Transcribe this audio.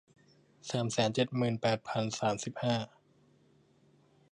สามแสนเจ็ดหมื่นแปดพันสามสิบห้า